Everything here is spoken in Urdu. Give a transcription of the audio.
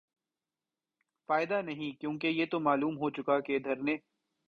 فائدہ نہیں کیونکہ یہ تو معلوم ہوچکا کہ دھرنے